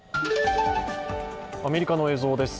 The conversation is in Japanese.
アメリカの映像です。